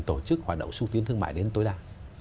tổ chức hoạt động xúc tiến thương mại đến tối đa